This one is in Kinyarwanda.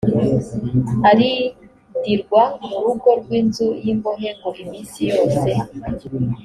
arindirwa mu rugo rw inzu y imbohe ngo iminsi yose